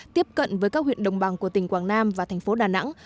tiếp cận với các huyện đồng bằng của tỉnh quảng nam và thành phố đà nẵng